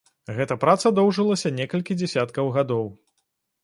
Гэта праца доўжылася некалькі дзясяткаў гадоў.